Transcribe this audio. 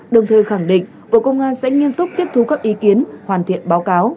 đồng thời khẳng định bộ công an sẽ nghiêm túc tiếp thu các ý kiến hoàn thiện báo cáo